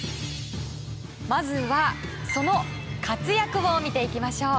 まずはその活躍を見ていきましょう。